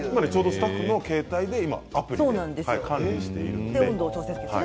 スタッフの携帯アプリで管理しています。